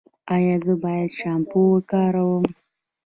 ایا زه باید شامپو وکاروم؟